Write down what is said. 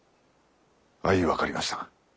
相分かりました。